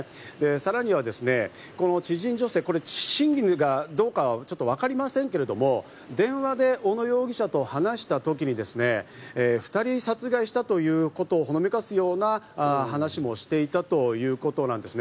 さらには、その知人女性、真偽はわかりませんけれども、電話で小野容疑者と話した時に２人殺害したということをほのめかすような話もしてたということなんです。